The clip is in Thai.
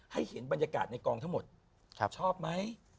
ให้เห็นบรรยากาศในกองเท่าหมดชอบไหม